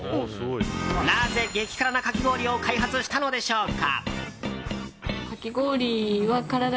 なぜ、激辛なかき氷を開発したのでしょうか？